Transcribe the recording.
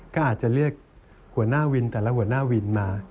ก็อาจจะเรียกหัวหน้าวินแต่ละหัวหน้าวินมา